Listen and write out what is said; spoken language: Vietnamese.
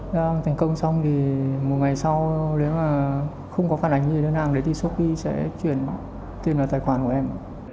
giao hàng thành công xong thì một ngày sau nếu mà không có phản ảnh gì đơn hàng đấy thì shopee sẽ chuyển tiền vào tài khoản của em